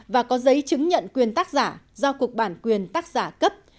và có giấy chứng nhận quyền tác giả do cục bản quyền tác giả cấp